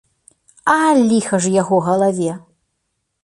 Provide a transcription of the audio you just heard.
А ліха ж яго галаве!